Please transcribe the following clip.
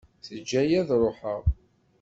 Teǧǧa-iyi ad ṛuḥeɣ.